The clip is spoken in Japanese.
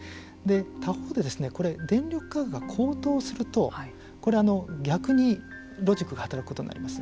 他方で電力価格が高騰するとこれ、逆にロジックが働くことになります。